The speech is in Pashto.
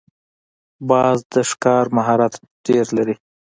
باز د ښکار مهارت ډېر لري